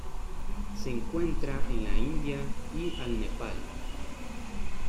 Se encuentra en la India y al Nepal.